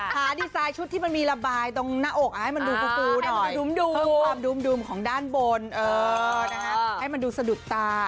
ดีไซน์ชุดที่มันมีระบายตรงหน้าอกให้มันดูฟูมความดุมของด้านบนให้มันดูสะดุดตา